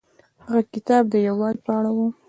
هغه کتاب د یووالي په اړه و.